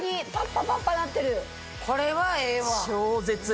これはええわ。